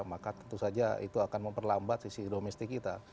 maka tentu saja itu akan memperlambat sisi domestik kita